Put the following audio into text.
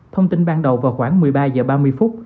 thông tin ban đầu vào khoảng một mươi ba h ba mươi phút